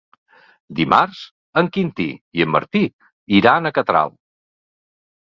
Dimarts en Quintí i en Martí iran a Catral.